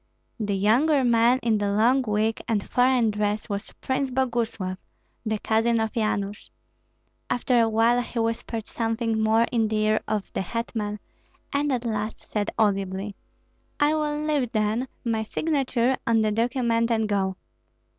The younger man in the long wig and foreign dress was Prince Boguslav, the cousin of Yanush. After a while he whispered something more in the ear of the hetman, and at last said audibly, "I will leave, then, my signature on the document and go."